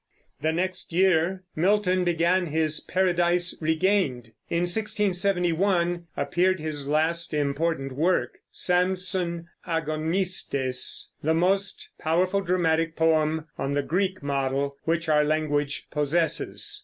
The next year Milton began his Paradise Regained. In 1671 appeared his last important work, Samson Agonistes, the most powerful dramatic poem on the Greek model which our language possesses.